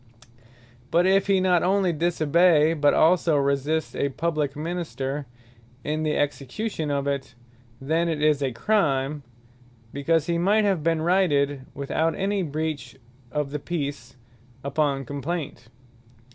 But if he not onely disobey, but also resist a publique Minister in the execution of it, then it is a Crime; because he might have been righted, (without any breach of the Peace,) upon complaint.